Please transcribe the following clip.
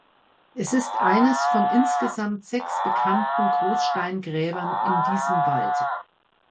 Es ist eines von insgesamt sechs bekannten Großsteingräbern in diesem Wald.